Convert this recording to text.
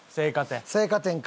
青果店か。